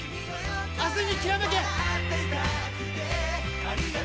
明日にきらめけ！